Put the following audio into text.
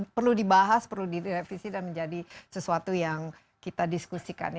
perlu dibahas perlu direvisi dan menjadi sesuatu yang kita diskusikan